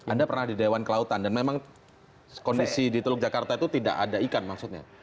anda pernah di dewan kelautan dan memang kondisi di teluk jakarta itu tidak ada ikan maksudnya